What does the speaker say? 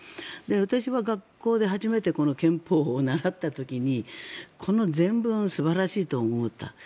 私は学校で初めてこの憲法を習った時にこの前文、素晴らしいと思った。